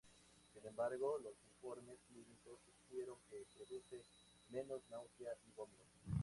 Sin embargo, los informes clínicos sugieren que produce menos náusea y vómito.